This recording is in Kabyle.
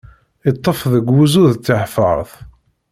Iṭṭef deg wuzzu d tiɛfeṛt.